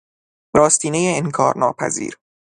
راستینهی انکارناپذیر